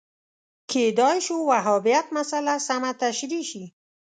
کېدای شو وهابیت مسأله سمه تشریح شي